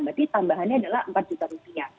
berarti tambahannya adalah empat juta rupiah